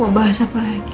mau bahas apa lagi